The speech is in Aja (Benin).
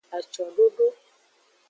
Acododo.